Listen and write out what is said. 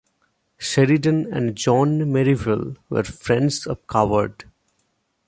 Sheridan and John Merivale were friends of Coward.